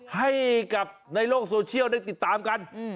ให้กับในโลกโซเชียลได้ติดตามกัน